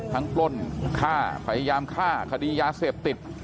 ปล้นฆ่าพยายามฆ่าคดียาเสพติด